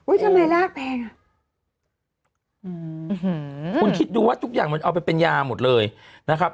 ทำไมรากแพงอ่ะอืมคุณคิดดูว่าทุกอย่างมันเอาไปเป็นยาหมดเลยนะครับ